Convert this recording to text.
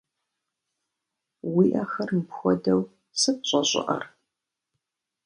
Уи ӏэхэр мыпхуэдэу сыт щӏэщӏыӏэр?